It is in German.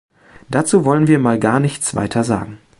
Dazu wollen wir mal gar nichts weiter sagen.